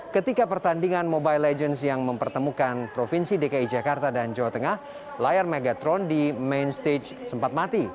ketika pertandingan mobile legends yang mempertemukan provinsi dki jakarta dan jawa tengah layar megatron di main stage sempat mati